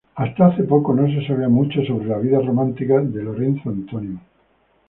Hasta hace poco, no se sabía mucho sobre la vida romántica de Lorenzo Antonio.